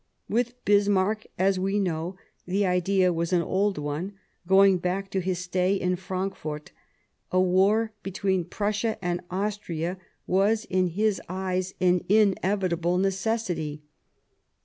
With Bismarck, as we know, the idea was an old one, going back to his stay in Frankfort ; a war between Prussia and Austria was, in The Con his eyes, an inevitable necessity.